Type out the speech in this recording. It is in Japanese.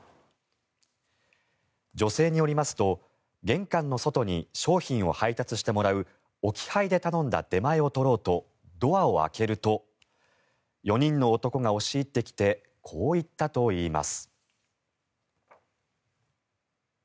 女性によりますと玄関の外に商品を配達してもらう置き配で頼んだ出前を取ろうとドアを開けると４人の男が押し入ってきてこう言ったといいます。